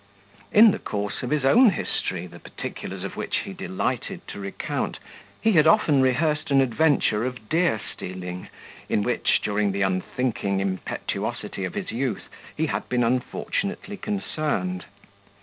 In the course of his own history, the particulars of which he delighted to recount, he had often rehearsed an adventure of deer stealing, in which, during the unthinking impetuosity of his youth, he had been unfortunately concerned.